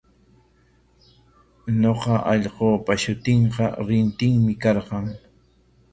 Ñuqa allqupa shutinqa Rintinmi karqan.